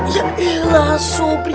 ya allah sobri